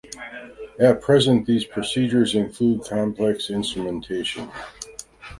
At present these procedures include complex instrumentation.